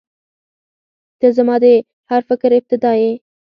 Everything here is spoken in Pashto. • ته زما د هر فکر ابتدا یې.